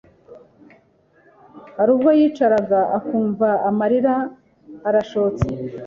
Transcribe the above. hari ubwo yicaraga akumva amarira arashotse